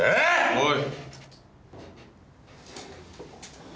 おい。